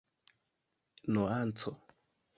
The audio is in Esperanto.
nuanco